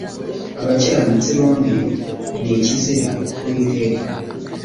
abakiranutsi bombi ni ikizira ku uwiteka